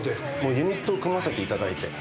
ユニット組ませていただいて。